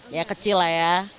ya kecil lah ya